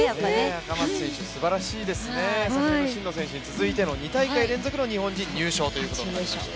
赤松選手すばらしいですね、真野選手に続いての２大会連続の日本人入賞ということになりました。